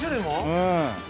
うん。